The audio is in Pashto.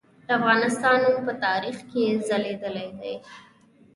د افغانستان نوم په تاریخ کې ځلیدلی دی.